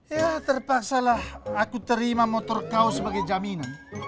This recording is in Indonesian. ya terpaksalah aku terima motor kau sebagai jaminan